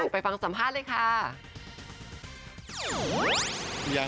ไปฟังสัมภาษณ์เลยค่ะ